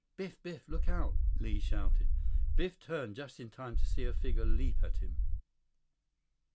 "Biff! Biff! Look out!" Li shouted. Biff turned just in time to see a figure leap at him.